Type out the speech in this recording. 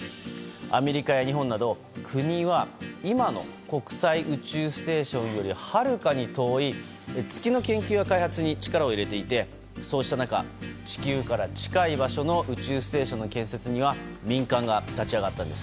アメリカや日本など、国は今の国際宇宙ステーションよりはるかに遠い月の研究や開発に力を入れていて、そうした中地球から近い場所の宇宙ステーションの建設には民間が立ち上がったんです。